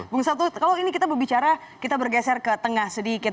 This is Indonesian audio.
bung satu kalau ini kita berbicara kita bergeser ke tengah sedikit